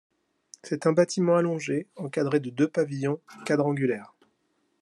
C'est un bâtiment allongé, encadré de deux pavillons quadrangulaires.